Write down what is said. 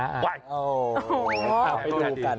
ไปดูจากกัน